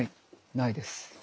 ないです。